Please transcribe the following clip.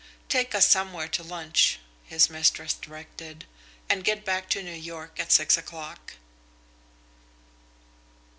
"Take us somewhere to lunch," his mistress directed, "and get back to New York at six o'clock."